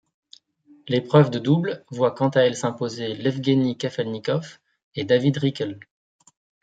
L'épreuve de double voit quant à elle s'imposer Ievgueni Kafelnikov et David Rikl.